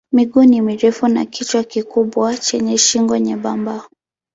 Miguu ni mirefu na kichwa kikubwa chenye shingo nyembamba.